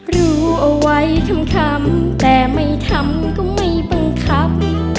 รู้เอาไว้คำแต่ไม่ทำก็ไม่บังคับ